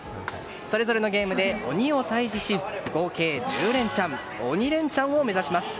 それぞれのゲームで鬼を退治し合計１０レンチャン鬼レンチャンを目指します。